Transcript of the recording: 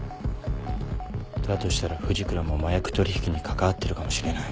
だとしたら藤倉も麻薬取引に関わってるかもしれない。